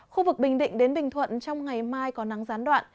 khu vực bình định đến bình thuận trong ngày mai có nắng gián đoạn